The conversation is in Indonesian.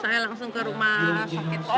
saya langsung ke rumah sakit